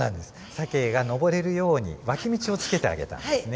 サケが上れるように脇道を付けてあげたんですね。